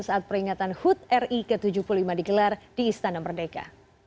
saat peringatan hud ri ke tujuh puluh lima digelar di istana merdeka